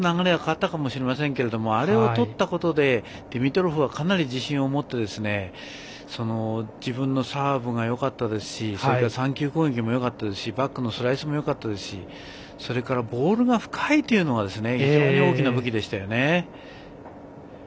あそこが取れていると流れが変わったと思いますがあれを取ったことでディミトロフはかなり自信を持って自分のサーブがよかったですしそれから３球攻撃がよかったですしバックのスライスもよかったですしボールも深いというのが非常に大きな武器でしたよね。